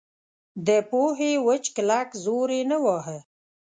د پوهې وچ کلک زور یې نه واهه.